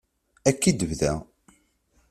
Akka i tebda.